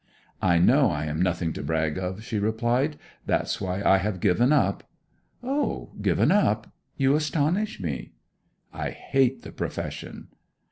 'I know I am nothing to brag of,' she replied. 'That's why I have given up.' 'O given up? You astonish me.' 'I hate the profession.'